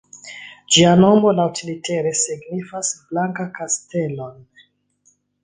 Ĝia nomo laŭlitere signifas "Blanka Kastelo"-n.